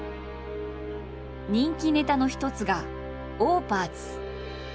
人気ネタの一つが「オーパーツ」。